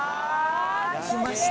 きました。